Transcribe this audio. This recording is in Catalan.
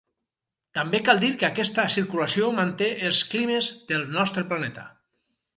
També cal dir que aquesta circulació manté els climes del nostre planeta.